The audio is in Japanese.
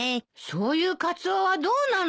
そういうカツオはどうなのよ。